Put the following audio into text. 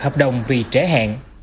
hợp đồng vì trễ hạn